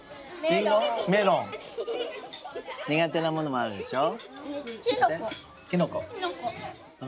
にがてなものもあるでしょ？